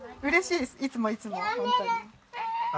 いつもいつもホントに。